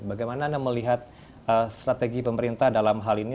bagaimana anda melihat strategi pemerintah dalam hal ini